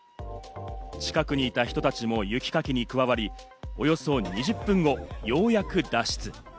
近くにいた人たちも雪かきに加わり、およそ２０分後ようやく脱出。